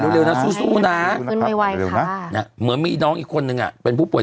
เร็วเร็วนะสู้สู้นะขึ้นไวค่ะเหมือนมีน้องอีกคนนึงอ่ะเป็นผู้ป่วย